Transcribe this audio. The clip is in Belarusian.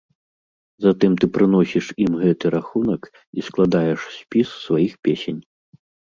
Затым ты прыносіш ім гэты рахунак і складаеш спіс сваіх песень.